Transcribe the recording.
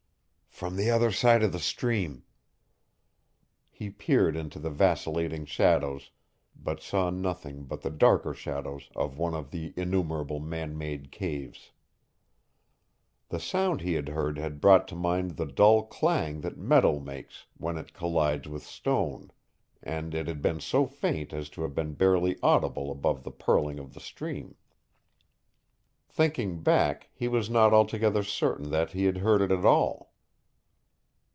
"From the other side of the stream." He peered into the vacillating shadows, but saw nothing but the darker shadows of one of the innumerable man made caves. The sound he had heard had brought to mind the dull clang that metal makes when it collides with stone, and it had been so faint as to have been barely audible above the purling of the stream. Thinking back, he was not altogether certain that he had heard it at all.